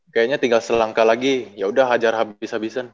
kayaknya tinggal selangkah lagi yaudah hajar habis habisan